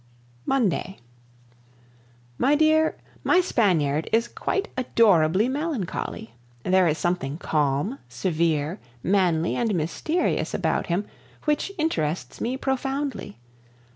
Monday. My dear, my Spaniard is quite adorably melancholy; there is something calm, severe, manly, and mysterious about him which interests me profoundly.